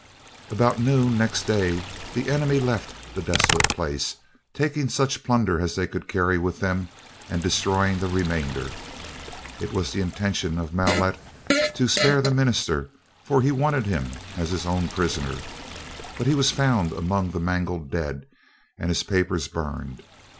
About noon next day, the enemy left the desolate place, taking such plunder as they could carry with them and destroying the remainder. It was the intention of Maulet to spare the minister, for he wanted him as his own prisoner; but he was found among the mangled dead, and his papers burned.